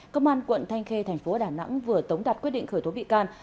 công an quận thanh khê thành phố đà nẵng vừa tống đặt quyết định khởi tố bị can